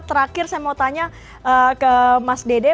terakhir saya mau tanya ke mas dede